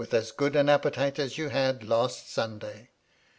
95 as good an appetite as you had last Sunday.